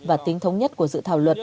và tính thống nhất của dự thảo luật